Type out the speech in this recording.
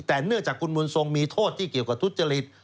แต่เนื่องจากคุณบุญทรงมีโทษที่เกี่ยวกับทุจริต